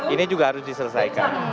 ini juga harus diselesaikan